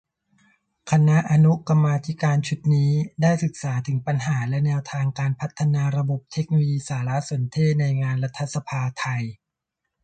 คณะอนุกรรมาธิการชุดนี้ ได้ศึกษาถึงปัญหา และ แนวทางการพัฒนาระบบเทคโนโลยีสารสนเทศในงานรัฐสภาไทย